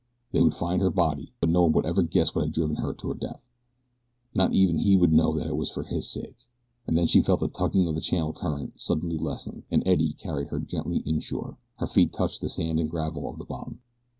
They would find her body; but no one would ever guess what had driven her to her death. Not even he would know that it was for his sake. And then she felt the tugging of the channel current suddenly lessen, an eddy carried her gently inshore, her feet touched the sand and gravel of the bottom.